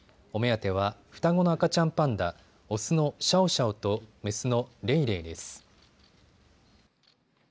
お目当ては双子の赤ちゃんパンダ、オスのシャオシャオとメスのレイレイです。